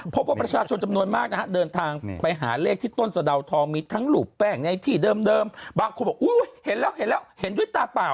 ๙๓๑๘๕พบประชาชนจำนวนมากนะเดินทางไปหาเลขที่ต้นสะด่าวทองมีทั้งลูปแป้งในที่เดิมบางคนบอกเห็นแล้วเห็นด้วยตาเปล่า